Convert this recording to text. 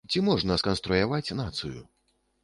Ці можна сканструяваць нацыю?